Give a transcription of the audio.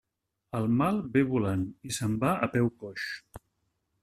El mal ve volant i se'n va a peu coix.